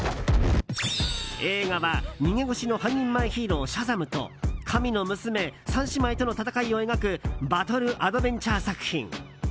映画は逃げ腰の半人前ヒーローシャザムと神の娘３姉妹との戦いを描くバトル・アドベンチャー作品。